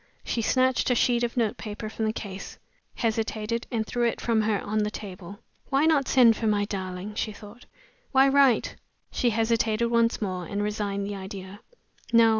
She snatched a sheet of notepaper from the case; hesitated, and threw it from her on the table. "Why not send for my darling?" she thought. "Why write?" She hesitated once more, and resigned the idea. "No!